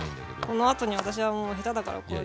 このあとに私はもう下手だからこうやって。